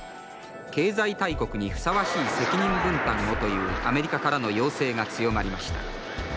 「経済大国にふさわしい責任分担をというアメリカからの要請が強まりました」。